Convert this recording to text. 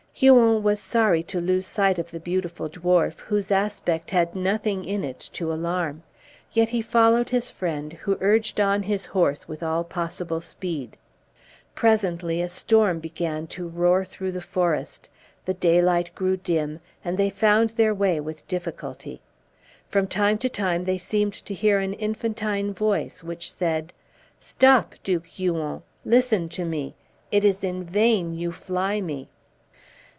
Huon was sorry to lose sight of the beautiful dwarf, whose aspect had nothing in it to alarm; yet he followed his friend, who urged on his horse with all possible speed. Presently a storm began to roar through the forest, the daylight grew dim, and they found their way with difficulty. From time to time they seemed to hear an infantine voice, which said, "Stop, Duke Huon; listen to me: it is in vain you fly me!"